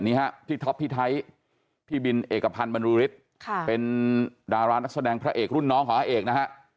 อันนี้ครับพี่ท็อปพี่ไทยพี่บิลเอกพันธ์บรรลุฤษเป็นดารานักแสดงพระเอกรุ่นน้องของอาเอกนะครับ